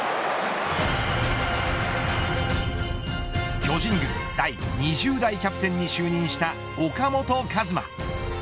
巨人軍第２０代キャプテンに就任した岡本和真。